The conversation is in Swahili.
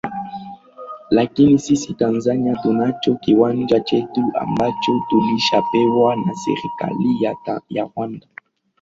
lakini sisi tanzania tunacho kiwanja chetu ambacho tulishapewa na serikali ya rwanda